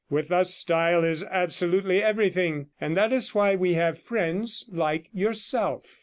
With us style is absolutely everything, and that is why we have friends like yourself.'